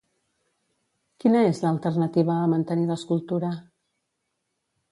Quina és l'alternativa a mantenir l'escultura?